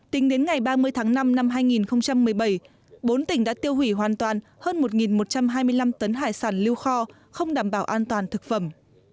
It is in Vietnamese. tính đến ngày ba mươi tháng năm năm hai nghìn một mươi bảy bốn tỉnh đã tiêu hủy hoàn toàn hơn một một trăm hai mươi năm tấn hải sản lưu kho không đảm bảo an toàn thực phẩm